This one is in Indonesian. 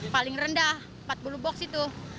paling rendah empat puluh box itu